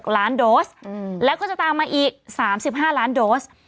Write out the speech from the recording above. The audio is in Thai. ล้านโดสแล้วก็จะตามมาอีก๓๕ล้านโดส